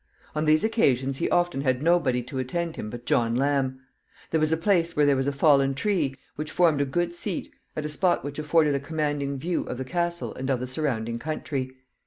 On these occasions he often had nobody to attend him but John Lamb. There was a place where there was a fallen tree, which formed a good seat, at a spot which afforded a commanding view of the castle and of the surrounding country.